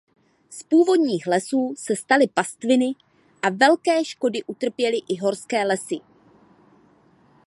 Z původních lesů se staly pastviny a velké škody utrpěly i horské lesy.